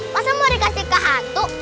masa mau dikasih ke atu